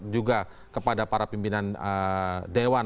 juga kepada para pimpinan dewan